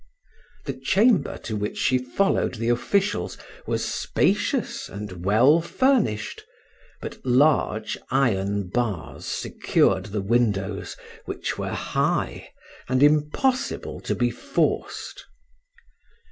The chamber to which she followed the officials was spacious and well furnished, but large iron bars secured the windows, which were high, and impossible to be forced.